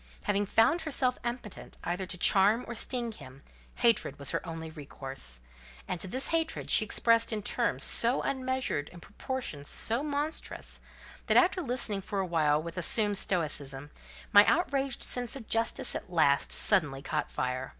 Having found herself impotent either to charm or sting him, hatred was her only resource; and this hatred she expressed in terms so unmeasured and proportion so monstrous, that, after listening for a while with assumed stoicism, my outraged sense of justice at last and suddenly caught fire.